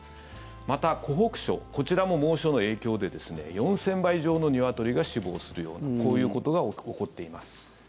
また、湖北省こちらも猛暑の影響で４０００羽以上のニワトリが死亡するようなこういうことが起こっています。